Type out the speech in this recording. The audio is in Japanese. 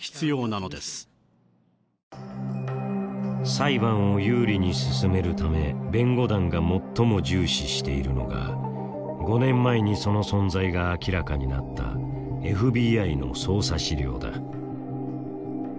裁判を有利に進めるため弁護団が最も重視しているのが５年前にその存在が明らかになったＦＢＩの捜査資料だ。